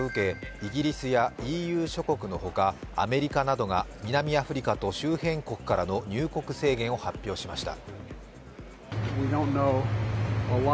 イギリスやＥＵ諸国のほか、アメリカなどが南アフリカと周辺国からの入国制限を発表しました。